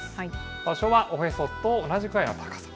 場所は、おへそと同じくらいの高さ。